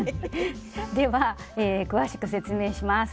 では詳しく説明します。